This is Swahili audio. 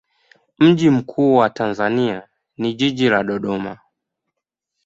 Mji mkuu wa Tanzania ni jiji la Dodoma.